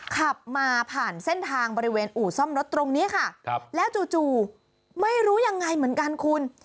ขับมาผ่านเส้นทางบริเวณอู่ซ่อมรถตรงนี้ค่ะแล้วจู่ไม่รู้ยังไงเหมือนกันคุณ